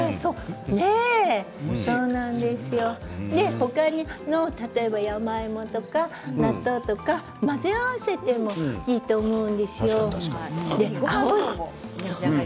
他の山芋とか納豆とか混ぜ合わせてもいいと思うんですよ。